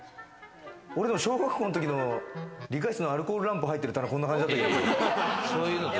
これ、小学校のときの理科室のアルコールランプ入ってる棚、こんな感じだった。